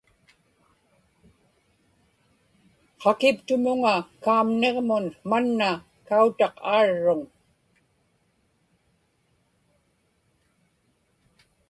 qakiptumuŋa kaamniġmun manna kautaq aarruŋ